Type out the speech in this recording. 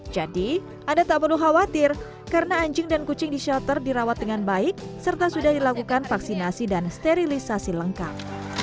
jadi anda tak perlu khawatir karena anjing dan kucing di shelter dirawat dengan baik serta sudah dilakukan vaksinasi dan sterilisasi lengkap